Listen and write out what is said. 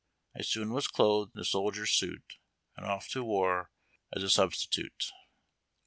I soon was clothed in a soldier's suit, And off to war as a substitute.